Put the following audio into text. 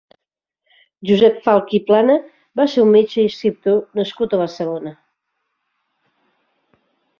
Josep Falp i Plana va ser un metge i escriptor nascut a Barcelona.